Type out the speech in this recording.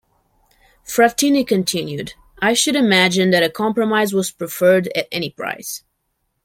Frattini continued, I should imagine that a compromise was preferred at any price.